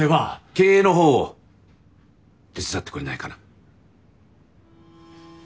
経営の方を手伝ってくれないかな。